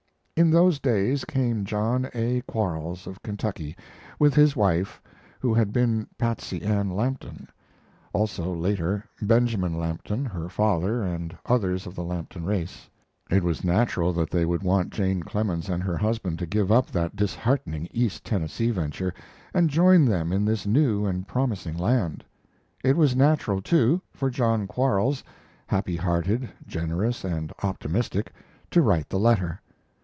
In those days came John A. Quarles, of Kentucky, with his wife, who had been Patsey Ann Lampton; also, later, Benjamin Lampton, her father, and others of the Lampton race. It was natural that they should want Jane Clemens and her husband to give up that disheartening east Tennessee venture and join them in this new and promising land. It was natural, too, for John Quarles happy hearted, generous, and optimistic to write the letter.